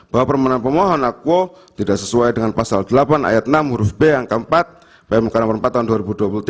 bahwa permohonan pemohon aku tidak sesuai dengan pasal delapan ayat enam huruf b angka empat pmk nomor empat tahun